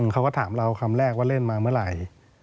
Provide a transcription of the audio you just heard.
เขาก็ถามเราคำแรกว่าเล่นมาเมื่อไหร่